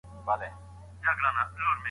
که درس په وخت پیل سي، ګډوډي نه رامنځته کېږي.